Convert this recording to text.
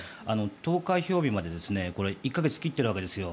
投開票日まで１か月を切っているわけですよ。